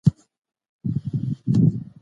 اټکل د علمي څېړنې برخه ده.